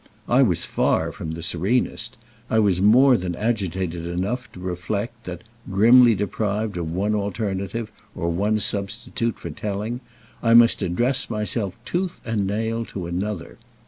I was far from the serenest; I was more than agitated enough to reflect that, grimly deprived of one alternative or one substitute for "telling," I must address myself tooth and nail to another.